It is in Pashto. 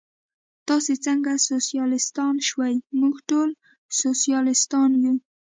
تاسې څنګه سوسیالیستان شوئ؟ موږ ټول سوسیالیستان یو.